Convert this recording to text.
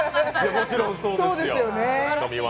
もちろんそうですよ、「つかみ−１